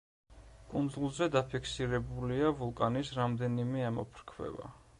კუნძულზე დაფიქსირებულია ვულკანის რამდენიმე ამოფრქვევა.